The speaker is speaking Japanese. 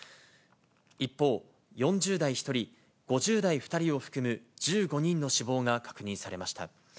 一方、４０代１人、５０代２人を含む１５人の死亡が確認されました。